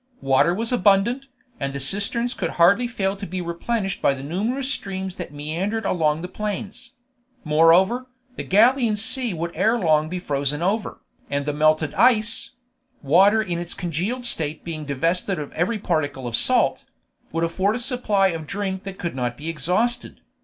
Water was abundant, and the cisterns could hardly fail to be replenished by the numerous streams that meandered along the plains; moreover, the Gallian Sea would ere long be frozen over, and the melted ice (water in its congealed state being divested of every particle of salt) would afford a supply of drink that could not be exhausted.